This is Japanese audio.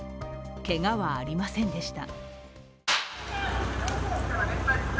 けがはありませんでした。